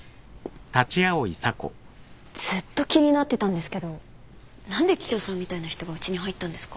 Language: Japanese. ずっと気になってたんですけど何で桔梗さんみたいな人がうちに入ったんですか？